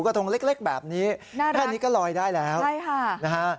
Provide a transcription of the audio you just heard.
กระทงเล็กเล็กแบบนี้น่ารักแค่นี้ก็ลอยได้แล้วได้ค่ะนะฮะ